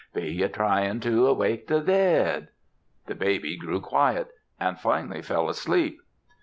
Be ye tryin' to wake the dead?" The baby grew quiet and finally fell asleep.